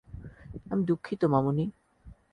আমি দুঃখিত, মামনি।